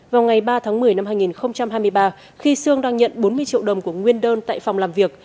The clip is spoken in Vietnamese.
vào ngày ba tháng một mươi năm hai nghìn hai mươi ba khi sương đang nhận bốn mươi triệu đồng của nguyên đơn tại phòng làm việc